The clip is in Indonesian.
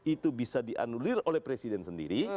itu bisa dianulir oleh presiden sendiri